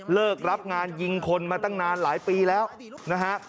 รับงานยิงคนมาตั้งนานหลายปีแล้วนะฮะ